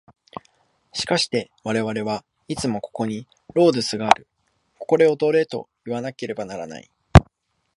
しかして我々はいつもここにロードゥスがある、ここで踊れといわなければならない。